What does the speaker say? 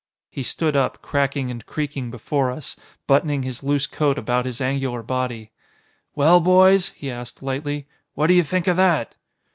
He stood up cracking and creaking before us, buttoning his loose coat about his angular body. "Well, boys," he asked lightly, "what do you think of that?"